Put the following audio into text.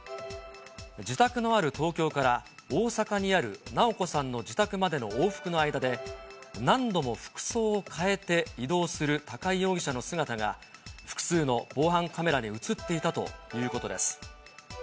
自宅のある東京から大阪にある直子さんの自宅までの往復の間で、何度も服装を変えて、移動する高井容疑者の姿が、複数の防犯カメラに写っていたということです。